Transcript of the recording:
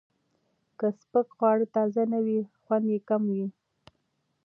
که سپک خواړه تازه نه وي، خوند یې کم وي.